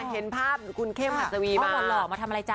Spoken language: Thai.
เห็นภาพคุณเข้มขาซวีมา